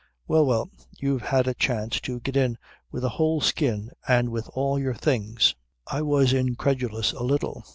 Well! Well! You've had a chance to get in with a whole skin and with all your things." "I was incredulous a little.